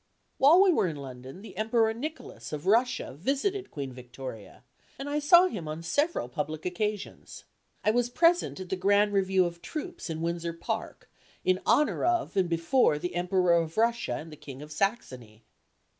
While we were in London the Emperor Nicholas, of Russia, visited Queen Victoria, and I saw him on several public occasions. I was present at the grand review of troops in Windsor Park in honor of and before the Emperor of Russia and the King of Saxony.